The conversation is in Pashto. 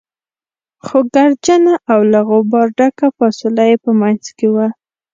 خو ګردجنه او له غبار څخه ډکه فاصله يې په منځ کې وه.